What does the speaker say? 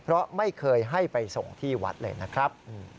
เพราะไม่เคยให้ไปส่งที่วัดเลยนะครับ